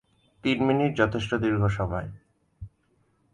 তিন মিনিট যথেষ্ট দীর্ঘ সময়!